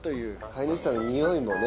飼い主さんの匂いもね。